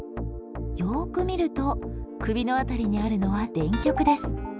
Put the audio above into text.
よく見ると首の辺りにあるのは電極です。